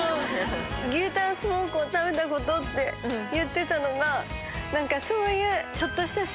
牛タンスモークを食べたことって言ってたのが何かそういう。